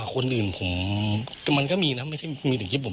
คนอื่นผมมันก็มีนะไม่ใช่มีถึงคลิปผม